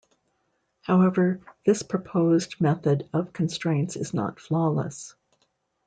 However, this purposed method of constraints is not flawless.